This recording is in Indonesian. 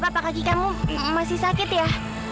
apakah kamu masih sakit ya